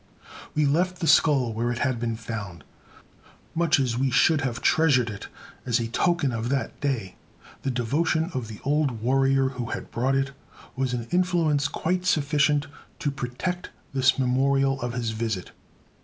We left the skull where it had been found. Much as we should have treasured it as a token of that day, the devotion of the old warrior who had brought it was an influence quite sufficient to protect this memorial of his visit.